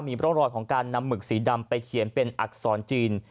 มีร่องรอยของการนำหมึกสีดำไปเขียนเป็นอักษรจีน